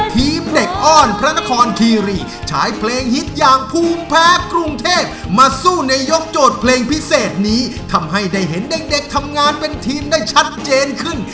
ทีมเด็กอ้อนพระนครคีรีใช้เพลงฮิตอย่างภูมิแพ้กรุงเทพมาสู้ในยกโจทย์เพลงพิเศษนี้ทำให้ได้เห็นเด็กทำงานเป็นทีมได้ชัดเจนขึ้น